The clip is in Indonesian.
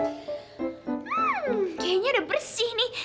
hmm kayaknya udah bersih nih